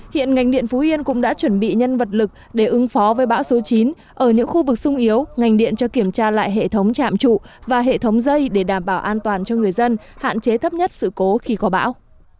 hiện ngành điện phú yên cũng đã chuẩn bị nhân vật lực để ứng phó với bão số chín ở những khu vực sung yếu ngành điện cho kiểm tra lại hệ thống chạm trụ và hệ thống dây để đảm bảo an toàn cho người dân hạn chế thấp nhất sự cố khi có bão